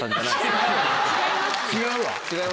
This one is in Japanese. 違うわ。